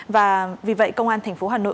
và vì vậy công an thành phố hà nội